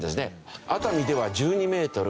熱海では１２メートル